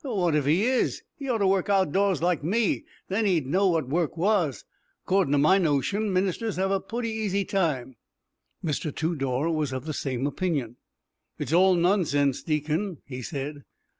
"What if he is? He ought to work outdoors like me. Then he'd know what work was. Ac cordin' to my notion, ministers have a pooty easy time." Mr. Tudor was of the same opinion. "It's all nonsense, deacon," he said.